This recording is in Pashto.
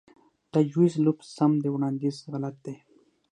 تجويز لفظ سم دے وړانديز غلط دے